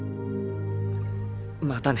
またね。